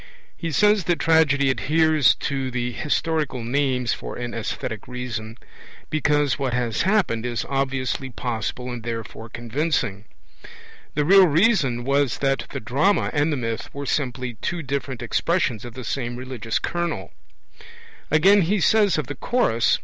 He says that tragedy adheres to 'the historical names' for an aesthetic reason, because what has happened is obviously possible and therefore convincing. The real reason was that the drama and the myth were simply two different expressions of the same religious kernel (p. 44). Again, he says of the Chorus (p.